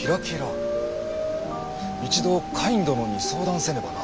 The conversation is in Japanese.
一度カイン殿に相談せねばな。